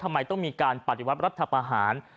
ทำไมต้องมีการปฏิวัติรัฐประหาร